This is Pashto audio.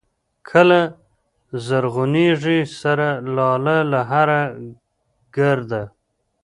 کله زرغونېږي سره لاله له هره ګرده